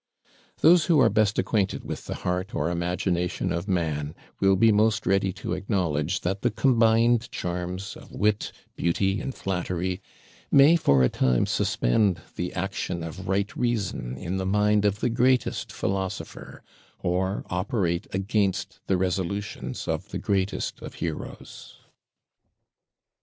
Those who are best acquainted with the heart or imagination of man will be most ready to acknowledge that the combined charms of wit, beauty, and flattery, may, for a time, suspend the action of right reason in the mind of the greatest philosopher, or operate against the resolutions of the greatest of heroes.